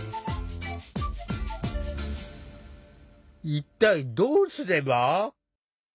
一体どうすれば？